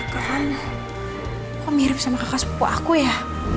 kan kok mirip sama kakak sepupu aku ya